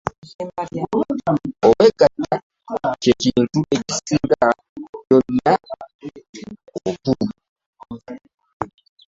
Okwegatta kye kintu ekisinga byonna obukulu.